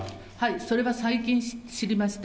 それは最近知りました。